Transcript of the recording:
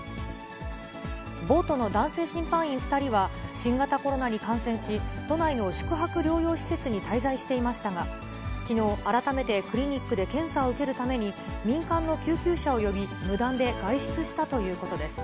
ボートの男性審判員２人は、新型コロナに感染し、都内の宿泊療養施設に滞在していましたが、きのう改めてクリニックで検査を受けるために、民間の救急車を呼び、無断で外出したということです。